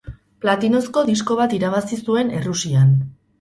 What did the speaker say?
Platinozko Disko bat irabazi zuen Errusian.